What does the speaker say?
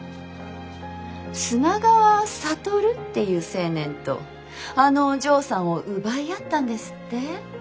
砂川智っていう青年とあのお嬢さんを奪い合ったんですって？